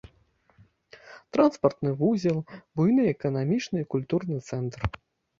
Транспартны вузел, буйны эканамічны і культурны цэнтр.